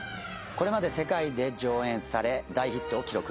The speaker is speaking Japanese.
これまで世界で上演され大ヒットを記録